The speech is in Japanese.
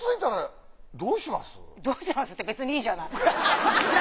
どうしますって。